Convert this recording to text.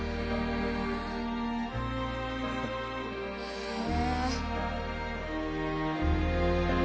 へえ！